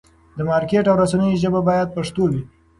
د مارکېټ او رسنیو ژبه باید پښتو وي.